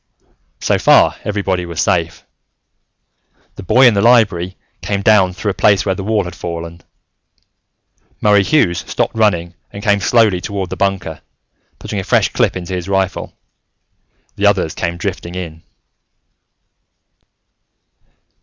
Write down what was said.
So far, everybody was safe. The boy in the Library came down through a place where the wall had fallen. Murray Hughes stopped running and came slowly toward the bunker, putting a fresh clip into his rifle. The others came drifting in.